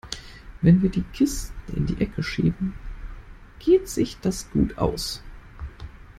Wenn wir die Kisten in die Ecke schieben, geht sich das gut aus.